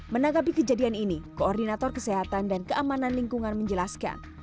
menanggapi kejadian ini koordinator kesehatan dan keamanan lingkungan menjelaskan